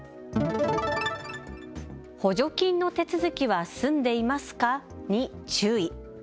補助金の手続きは済んでいますかに注意。